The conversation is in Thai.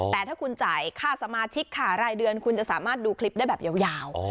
แต่ถ้าคุณจ่ายค่าสมาชิกค่ารายเดือนคุณจะสามารถดูคลิปได้แบบยาว